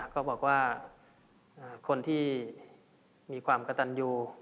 ก็บอกว่าคนที่มีความกระตันอยู่